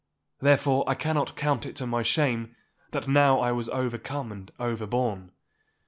Therefore I cannot count it to my shame that now I was overcome and overborne.